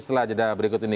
setelah jeda berikut ini